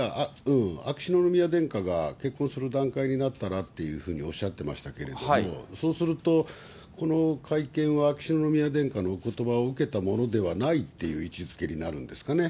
秋篠宮殿下が結婚する段階になったらっていうふうにおっしゃってましたけれども、そうすると、この会見は秋篠宮殿下のおことばを受けたものではないという位置づけになるんですかね。